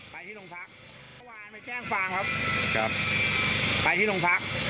ไปที่ลงพักไปแจ้งฟางครับครับไปที่ลงพัก